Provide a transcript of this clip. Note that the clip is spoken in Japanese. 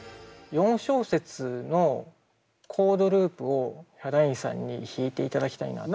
４小節のコードループをヒャダインさんに弾いていただきたいな。